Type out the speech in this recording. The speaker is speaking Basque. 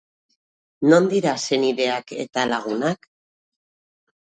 Non dira senideak eta lagunak?